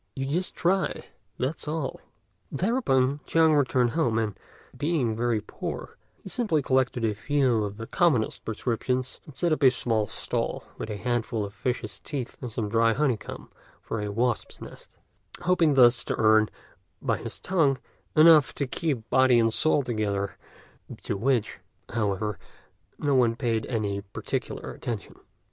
You just try, that's all." Thereupon Chang returned home; and, being very poor, he simply collected a few of the commonest prescriptions, and set up a small stall with a handful of fishes' teeth and some dry honeycomb from a wasp's nest, hoping thus to earn, by his tongue, enough to keep body and soul together, to which, however, no one paid any particular attention.